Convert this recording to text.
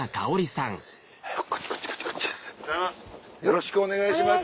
よろしくお願いします。